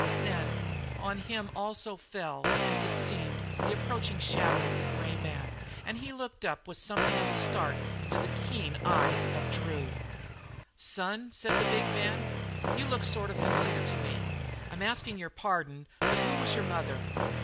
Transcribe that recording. Then on him also fell, as it seemed, the approaching shadow of the grey man and he looked up with something of a start into the keen eyes of Drew. "Son," said the big man, "you look sort of familiar to me. I'm asking your pardon, but who was your mother?"